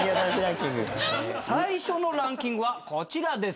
最初のランキングはこちらです。